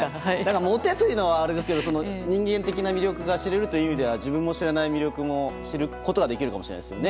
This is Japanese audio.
モテというのはあれですが人間的な魅力が知れるという意味では自分も知らない魅力を知ることができるかもしれないですよね。